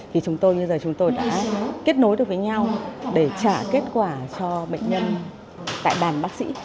thì chúng tôi bây giờ chúng tôi đã kết nối được với nhau để trả kết quả cho bệnh nhân tại bàn bác sĩ